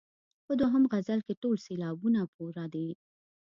په دوهم غزل کې ټول سېلابونه پوره دي.